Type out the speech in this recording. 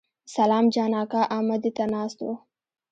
سلام جان اکا امدې ته ناست و.